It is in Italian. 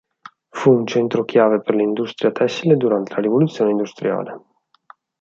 Fu un centro chiave per l'industria tessile durante la rivoluzione industriale.